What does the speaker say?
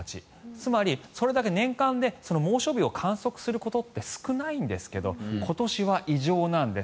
つまりそれだけ猛暑日を観測することって少ないんですが今年は異常なんです。